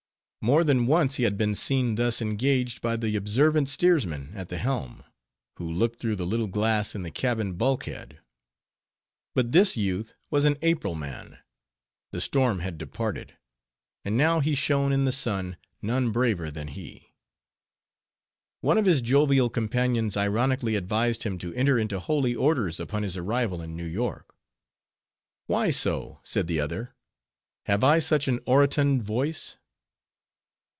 More than once had he been seen thus engaged by the observant steersman at the helm: who looked through the little glass in the cabin bulk head. But this youth was an April man; the storm had departed; and now he shone in the sun, none braver than he. One of his jovial companions ironically advised him to enter into holy orders upon his arrival in New York. "Why so?" said the other, "have I such an orotund voice?"